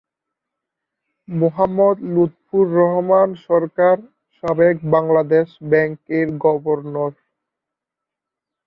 মোহাম্মদ লুৎফর রহমান সরকার, সাবেক বাংলাদেশ ব্যাংক এর গভর্নর।